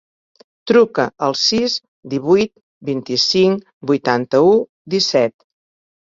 Truca al sis, divuit, vint-i-cinc, vuitanta-u, disset.